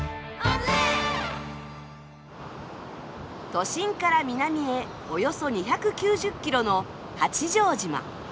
都心から南へおよそ２９０キロの八丈島。